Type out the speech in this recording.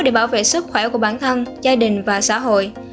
để bảo vệ sức khỏe của bản thân gia đình và xã hội